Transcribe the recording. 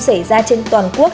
xảy ra trên toàn quốc